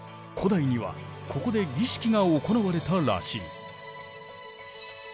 古代にはここで儀式が行われたらしい。